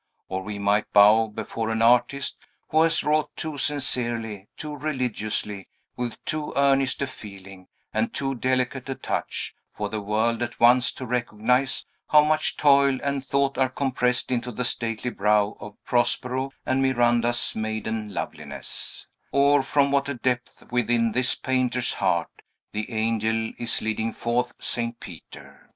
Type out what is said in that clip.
Or we might bow before an artist, who has wrought too sincerely, too religiously, with too earnest a feeling, and too delicate a touch, for the world at once to recognize how much toil and thought are compressed into the stately brow of Prospero, and Miranda's maiden loveliness; or from what a depth within this painter's heart the Angel is leading forth St. Peter.